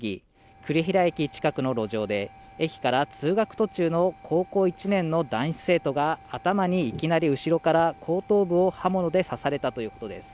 栗平駅近くの路上で駅から通学途中の高校１年の男子生徒が頭にいきなり後ろから後頭部を刃物で刺されたということです